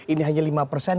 ini hanya lima persen